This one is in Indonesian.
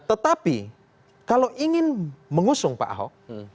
tetapi kalau ingin mengusung pak ahok